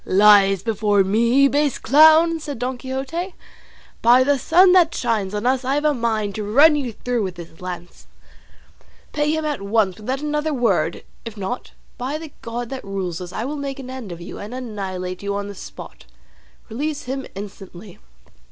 "Lies before me, base clown!" said Don Quixote. "By the sun that shines on us I have a mind to run you through with this lance. Pay him at once without another word; if not, by the God that rules us I will make an end of you, and annihilate you on the spot; release him instantly."